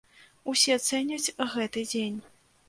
Усе цэняць гэты дзень.